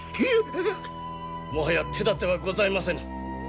もはや手だてはございませぬ。